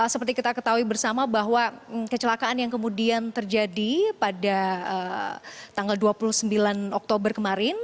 seperti kita ketahui bersama bahwa kecelakaan yang kemudian terjadi pada tanggal dua puluh sembilan oktober kemarin